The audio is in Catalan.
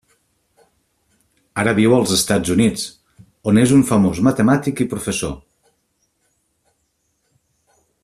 Ara viu als Estats Units, on és un famós matemàtic i professor.